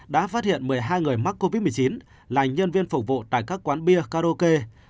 đã phát hiện một mươi hai người mắc covid một mươi chín là nhân viên phục vụ tại các quán bia karaoke